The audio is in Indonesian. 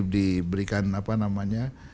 diberikan apa namanya